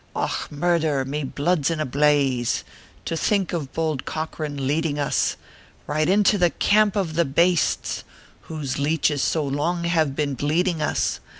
41 Och, murther ! me blood s in a blaze, To think of bould Corcoran leading us Right into the camp of the bastes "Whose leeches so long have been bleeding us